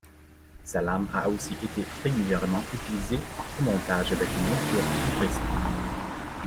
Sa lame a aussi été régulièrement utilisée en remontage avec des montures plus récentes.